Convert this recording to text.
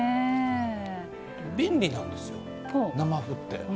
便利なんですよ、生麩って。